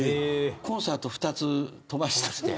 コンサート２つ、飛ばして。